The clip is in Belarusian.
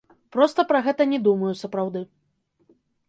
Проста пра гэта не думаю, сапраўды.